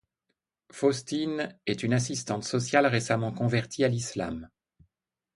Faustine est une assistante sociale récemment convertie à l'Islam.